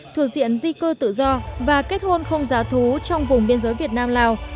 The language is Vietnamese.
thuộc diện di cư tự do và kết hôn không giá thú trong vùng biên giới việt nam lào